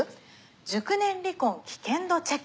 熟年離婚危険度チェック。